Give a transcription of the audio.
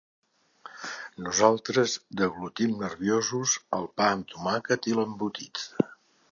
Nosaltres deglutim nerviosos el pa amb tomàquet i l'embotit.